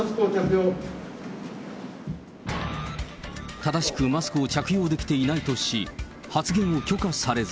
ただしくマスクを着用できていないとし、発言を許可されず。